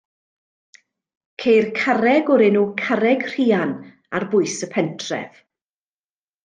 Ceir carreg o'r enw Carreg Rhian ar bwys y pentref.